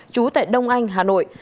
trú tại đông anh hà nội